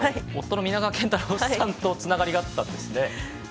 夫の皆川賢太郎さんとつながりがあったんですね。